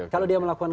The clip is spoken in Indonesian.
kalau dia melakukan